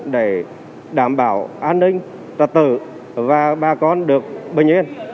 để đảm bảo an ninh trật tự và bà con được bình yên